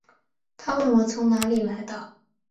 她问我从哪里来的